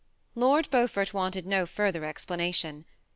*' Lord Beaufort wanted no further explanation.